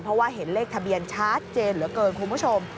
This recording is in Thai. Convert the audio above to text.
เพราะว่าเห็นเลขทะเบียนชัดเจนเหลือเกินคุณผู้ชม